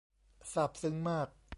ซาบซึ้งมาก